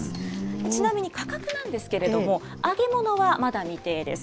ちなみに価格なんですけれども、揚げ物は、まだ未定です。